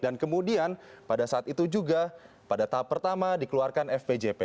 dan kemudian pada saat itu juga pada tahap pertama dikeluarkan fpjp